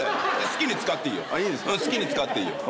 好きに使っていいよ。